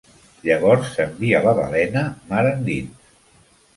Llavors envia la balena mar endins.